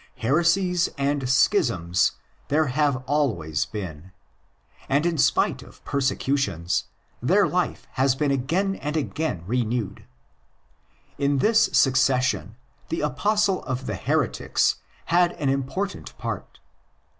''Heresies and schisms" there have always been ; and, in spite of persecutions, their life has been again and again renewed. In this succession '' the Apostle of the Heretics'? had an important part.